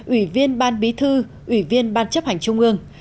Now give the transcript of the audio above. ủy viên ban bí thư ủy viên ban chấp hành trung ương